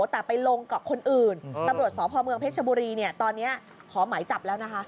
แต่ไปลงกับคนอื่นตำรวจสพเมืองเพชรบุรีเนี่ยตอนนี้ขอหมายจับแล้วนะคะ